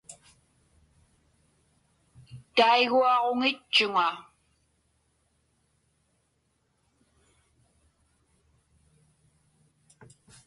Taiguaġuŋitchuŋa.